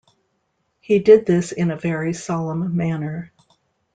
He did this in a very solemn manner.